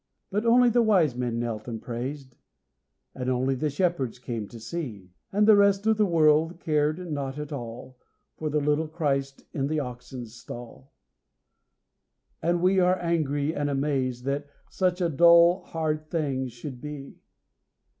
But only the wise men knelt and praised, And only the shepherds came to see, And the rest of the world cared not at all For the little Christ in the oxen's stall; And we are angry and amazed That such a dull, hard thing should be!